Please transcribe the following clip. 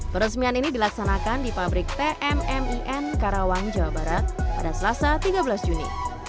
peresmian ini dilaksanakan di pabrik tmmin karawang jawa barat pada selasa tiga belas juni